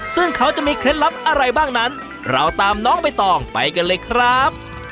ซึ่งเขาจะมีเคล็ดลับอะไรบ้างนั้นเราตามน้องใบตองไปกันเลยครับ